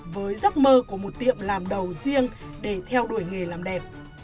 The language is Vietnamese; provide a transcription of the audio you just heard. với giấc mơ của một tiệm làm đầu riêng để theo đuổi nghề làm đẹp